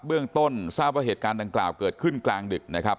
เรื่องต้นทราบว่าเหตุการณ์ดังกล่าวเกิดขึ้นกลางดึกนะครับ